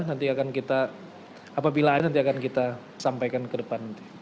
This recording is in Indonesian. nanti akan kita apabila ada nanti akan kita sampaikan ke depan